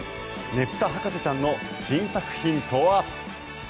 ねぷた博士ちゃんの新作品とは？